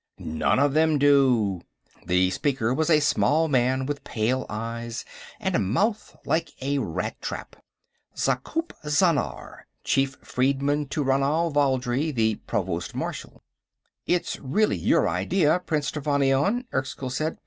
"None of them do." The speaker was a small man with pale eyes and a mouth like a rat trap; Yakoop Zhannar, chief freedman to Ranal Valdry, the Provost Marshal. "Its really your idea, Prince Trevannion," Erskyll said.